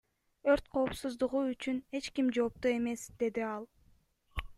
Өрт коопсуздугу үчүн эч ким жоопту эмес, — деди ал.